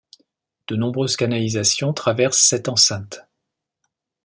De nombreuses canalisations traversent cette enceinte.